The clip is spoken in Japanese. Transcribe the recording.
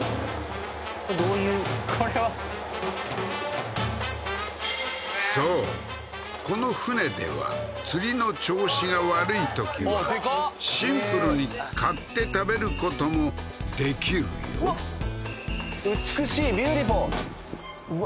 これどういうこれはそうこの船では釣りの調子が悪い時はシンプルに買って食べることもできるよ美しいビューティフルうわ